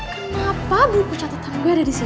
kenapa buku catatan gue ada di sini